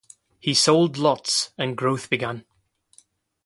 He sold lots and growth began.